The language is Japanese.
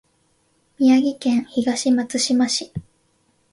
宮城県東松島市